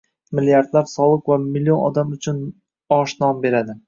Milliardlab soliq va million odam uchun osh-non beradi